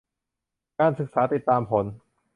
การศึกษาติดตามผล